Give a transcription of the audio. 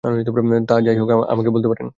তাই, যা-ই হোক, আমাকে বলতে পারেন।